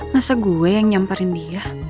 masa gue yang nyamparin dia